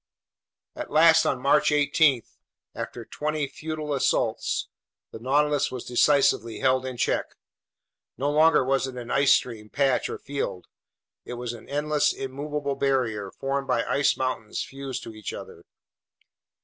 At last on March 18, after twenty futile assaults, the Nautilus was decisively held in check. No longer was it an ice stream, patch, or field—it was an endless, immovable barrier formed by ice mountains fused to each other.